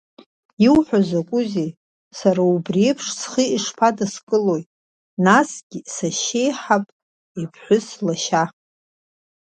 Иуҳәо закәызеи, сара убри еиԥш схы ишԥадыскылои, насгьы сашьеиҳабы иԥҳәыс лашьа…